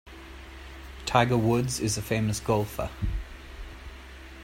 Tiger Woods is a famous golfer.